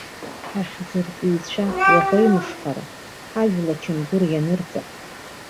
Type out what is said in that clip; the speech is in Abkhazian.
Ахьӡыртәҩцәа, уаӷеимшхара, ҳажәла ачамгәыр ианырҵап.